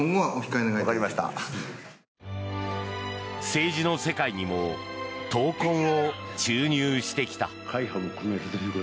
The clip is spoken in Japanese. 政治の世界にも闘魂を注入してきた。